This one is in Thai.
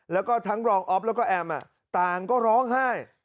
แล้วก็ทั้งรองอ๊อฟแล้วก็แอมต่างก็ร้องไห้